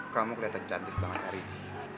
kamu kelihatan cantik banget hari ini